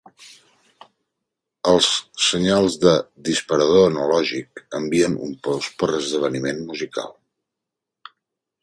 Els senyals de "disparador analògic" envien un pols per esdeveniment musical.